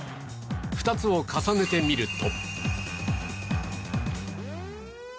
２つを重ねてみると。